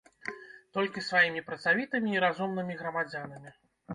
Толькі сваімі працавітымі і разумнымі грамадзянамі.